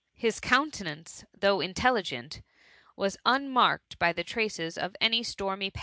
His countenance, though intelligent, ^as unmarked by the traces of any stormy pa&.